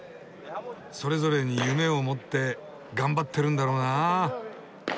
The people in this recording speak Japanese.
それぞれに夢を持って頑張ってるんだろうな。